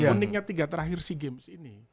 uniknya tiga terakhir sea games ini